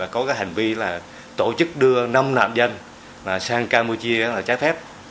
có hành vi là tổ chức đưa năm nạn nhân sang campuchia trái phép